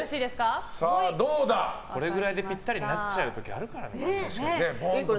これぐらいでピッタリになっちゃう時、あるからな。